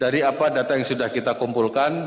dari apa data yang sudah kita kumpulkan